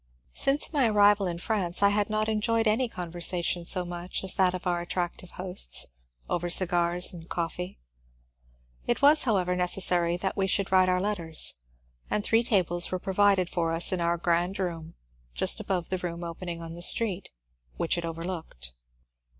Siuce my arrival in France I had not enjoyed any conversation so much as that of our attractive hosts, over cigars and coffee. It was, however, necessary that we should write our letters, and three tables were provided for us in our grand room, just above the room opening on the street, which it overlooked.